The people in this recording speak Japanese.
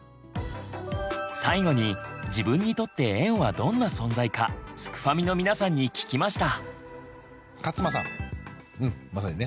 最後に自分にとって園はどんな存在かすくファミの皆さんに聞きました。